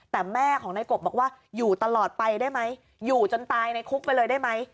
แต่แม่ของนายกบบอกว่าอยู่ตลอดไปได้ไหมอยู่จนตายในคุกไปเลยได้ไหม